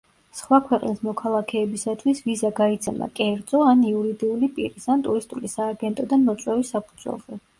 სხვა ქვეყნის მოქალაქეებისათვის, ვიზა გაიცემა კერძო ან იურიდიული პირის ან ტურისტული სააგენტოდან მოწვევის საფუძველზე.